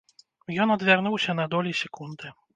Ён адвярнуўся на долі секунды.